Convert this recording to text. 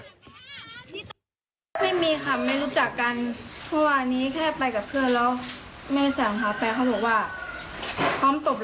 ไม่มีค่ะไม่รู้จักกัน